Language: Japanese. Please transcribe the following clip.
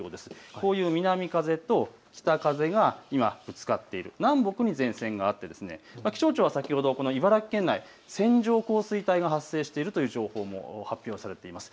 こういう南風と北風が今ぶつかって南北に前線があって、気象庁は先ほど茨城県内、線状降水帯が発生しているという情報も発表されています。